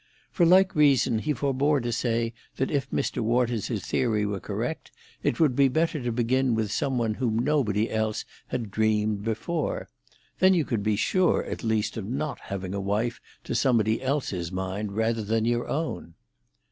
For like reason he forbore to say that if Mr. Waters's theory were correct, it would be better to begin with some one whom nobody else had dreamed before; then you could be sure at least of not having a wife to somebody else's mind rather than your own.